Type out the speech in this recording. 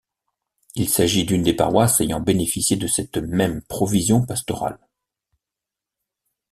Il s'agit d'une des paroisses ayant bénéficié de cette même provision pastorale.